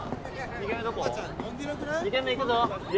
２軒目行くぞ悠。